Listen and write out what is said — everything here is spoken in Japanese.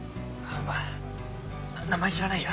名前知らないや。